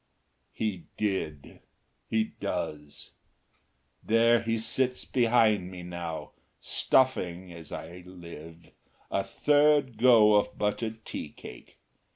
He did. He does. There he sits behind me now, stuffing as I live! a third go of buttered tea cake.